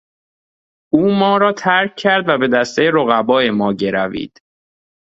او ما را ترک کرد و به دستهی رقبای ما گروید.